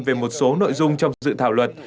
về một số nội dung trong sự thảo luật